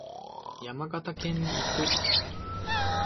山形県に行く。